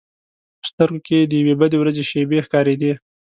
په سترګو کې یې د یوې بدې ورځې شېبې ښکارېدې.